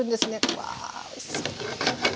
うわおいしそう！